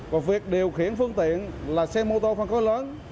còn việc điều khiển phương tiện là xe mô tô phân khối lớn